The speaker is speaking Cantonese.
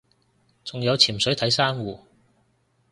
仲有潛水睇珊瑚